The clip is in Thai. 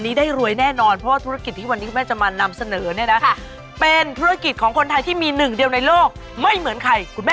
ที่พร้อมเจ็ดหนังทุกเรื่องที่ไม่บ้างคุณรู้